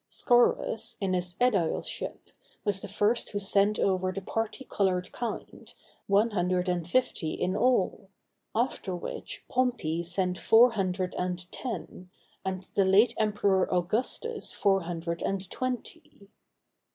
Scaurus, in his ædileship, was the first who sent over the parti colored kind, one hundred and fifty in all; after which, Pompey sent four hundred and ten, and the late Emperor Augustus four hundred and twenty.